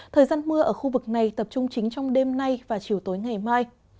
thời gian mưa ở khu vực này tập trung chính trong đêm nay và chiều tối ngày mai